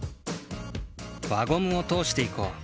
輪ゴムをとおしていこう。